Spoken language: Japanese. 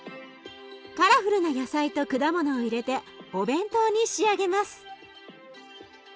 カラフルな野菜と果物を入れてお弁当に仕上げます。